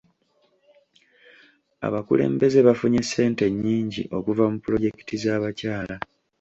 Abakulembeze bafunye ssente nnyingi okuva mu pulojekiti z'abakyala.